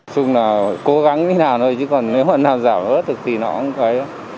chúng là cố gắng đi nào thôi chứ còn nếu mà nào giảm ớt thì nó cũng phải